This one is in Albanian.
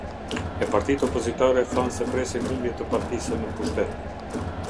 E partitë opozitare thanë se presin humbje të partisë në pushtet.